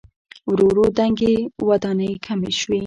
ورو ورو دنګې ودانۍ کمې شوې.